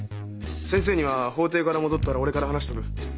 先生には法廷から戻ったら俺から話しとく。